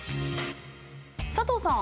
佐藤さん